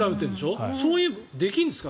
そういうのできるんですか？